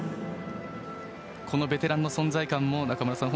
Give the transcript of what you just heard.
このベテランの存在感も中村さん